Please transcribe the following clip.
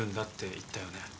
って言ったよね。